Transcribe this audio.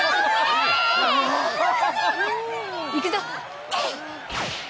いくぞ！